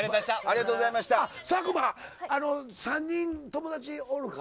佐久間、３人、友達おるか。